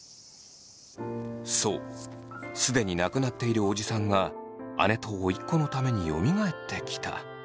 そう既に亡くなっているおじさんが姉と甥っ子のためによみがえってきた。